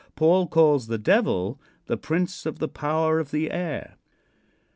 Paul calls the Devil the "prince of the power of the air."